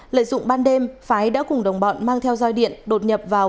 lợi dụng ban đêm phái đã cùng đồng bọn mang theo roi điện đột nhập vào